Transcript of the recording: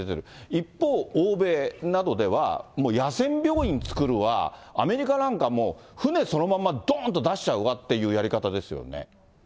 一方、欧米などでは、もう野戦病院作るわ、アメリカなんかもう、船そのままどんと出しちゃうわというやり方ですよね。